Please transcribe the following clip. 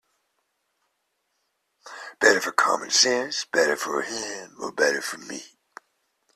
Better for common sense, better for him, better for me.